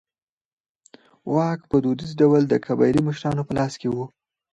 واک په دودیز ډول د قبایلي مشرانو په لاس کې و.